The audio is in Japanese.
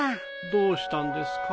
どうしたんですか？